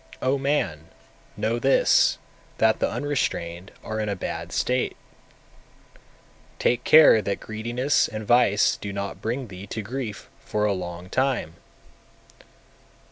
248. O man, know this, that the unrestrained are in a bad state; take care that greediness and vice do not bring thee to grief for a long time!